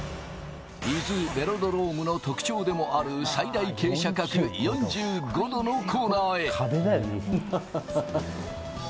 伊豆ベロドロームの特徴でもある最大傾斜角４５度のコーナーへ。